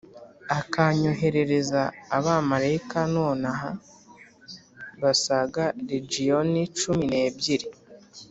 akanyoherereza abamarayika nonaha basaga legiyoni cumi n’ebyiri